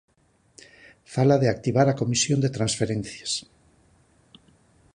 Fala de activar a Comisión de Transferencias.